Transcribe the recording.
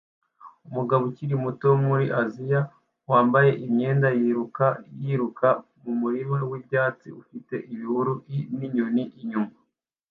Umukobwa ukiri muto wo muri Aziya wambaye imyenda yiruka yiruka mumurima wibyatsi ufite ibihuru ninyoni inyuma